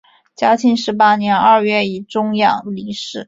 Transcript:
嘉庆十八年二月以终养离任。